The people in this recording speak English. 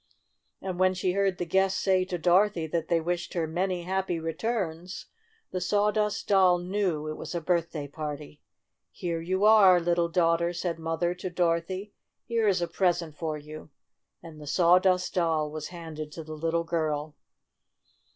And when she heard the guests say to Dorothy that they wished her "many happy returns," the Sawdust Doll knew it was a birthday party. "Here you are, little daughter I" said Mother to Dorothy. "Here is a present for you," and the Sawdust Doll was hand ed to the little girl.